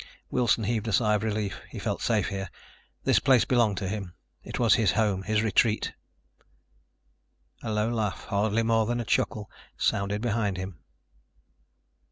Wilson heaved a sigh of relief. He felt safe here. This place belonged to him. It was his home, his retreat.... A low laugh, hardly more than a chuckle, sounded behind him.